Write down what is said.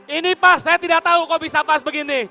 ini pas saya tidak tahu kok bisa pas begini